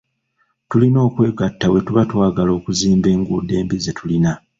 Tulina okwegata bwetuba twagala okuzimba enguudo embi ze tulina,